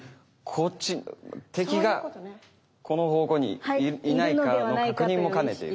こっち敵がこの方向にいないかの確認も兼ねて。